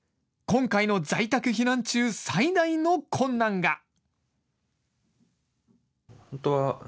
今回の在宅避難中、最大の困難が。